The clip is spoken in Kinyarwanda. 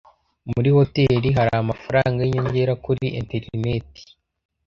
Muri hoteri hari amafaranga yinyongera kuri enterineti.